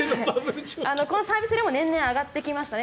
このサービス料も年々上がってきましたね。